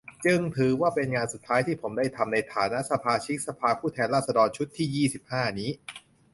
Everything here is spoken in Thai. จึงถือว่าเป็นงานสุดท้ายที่ผมได้ทำในฐานะ สมาชิกสภาผู้แทนราษฎรชุดที่ ยี่สิบห้า นี้